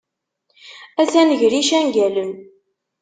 Atan gar icangalen.